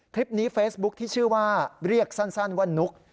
คลิปนี้เฟซบุ๊คที่ชื่อว่าเรียกสั้นว่านุ๊ก